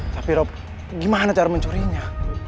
tapi rob gimana cara mencurinya